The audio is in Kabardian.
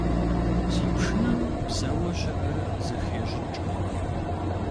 Си пшынэм бзэуэ щыӀэр зэхещӀыкӀ.